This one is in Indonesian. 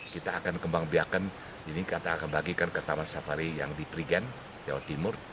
kita akan kembang biakan ini kita akan bagikan ke taman safari yang di prigen jawa timur